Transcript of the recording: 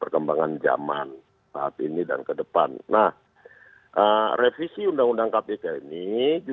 kita harus break terlebih dahulu